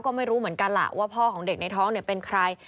ก็ไม่รู้เหมือนกันล่ะว่าพ่อของเด็กในท้องเป็นใคร